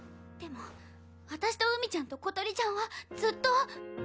でも私と海未ちゃんとことりちゃんはずっと。